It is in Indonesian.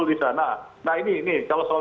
di sana nah ini kalau soal